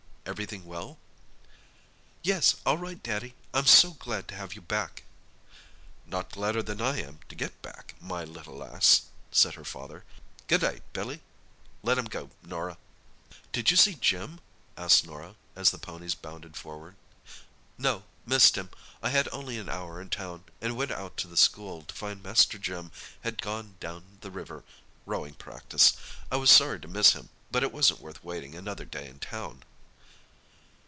"Everything well?" "Yes, all right, Daddy. I'm so glad to have you back!" "Not gladder than I am to get back, my little lass," said her father. "Good day, Billy. Let 'em go, Norah." "Did you see Jim?" asked Norah, as the ponies bounded forward. "No—missed him. I had only an hour in town, and went out to the school, to find Master Jim had gone down the river—rowing practice. I was sorry to miss him; but it wasn't worth waiting another day in town."